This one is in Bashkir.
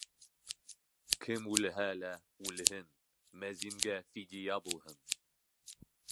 Кем үлһә лә үлһен, мәзингә фидия булһын.